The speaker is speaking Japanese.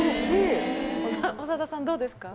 長田さんどうですか？